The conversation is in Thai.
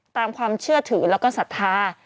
ตามความเชื่อถือแล้วก็ศรัทธา